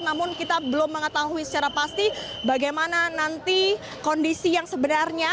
namun kita belum mengetahui secara pasti bagaimana nanti kondisi yang sebenarnya